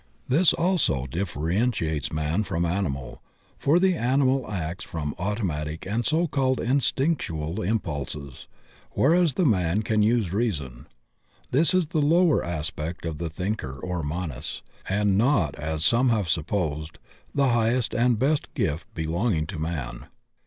This also differentiates man from animal, for the animal acts from automatic and so called in stinctual impulses, whereas the man can use reason. This is the lower aspect of the Thinker or Manas, and not, as some have supposed, the highest and best gift belonging to man.